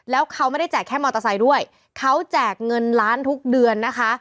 แล้วเขาไม่ได้แจกแค่มอเตอร์ไซค์ด้วยเขาแจกเงินล้านทุกเดือนนะคะ